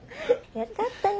よかったね